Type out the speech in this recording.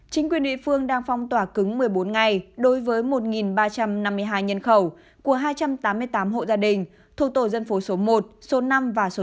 chính quyền địa phương đang phong tỏa cứng một mươi bốn ngày đối với một ba trăm năm mươi hai nhân khẩu của hai trăm tám mươi tám hộ gia đình thuộc tổ dân phố số một số năm và số sáu